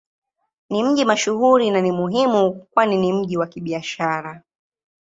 Ni mji mashuhuri na ni muhimu kwani ni mji wa Kibiashara.